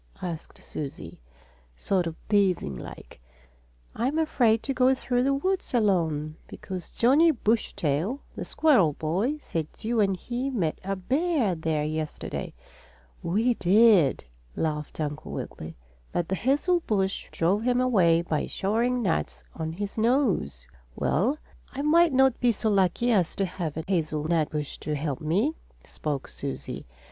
asked Susie, sort of teasing like. "I'm afraid to go through the woods alone, because Johnnie Bushytail, the squirrel boy, said you and he met a bear there yesterday." "We did!" laughed Uncle Wiggily. "But the hazel bush drove him away by showering nuts on his nose." "Well, I might not be so lucky as to have a hazelnut bush to help me," spoke Susie.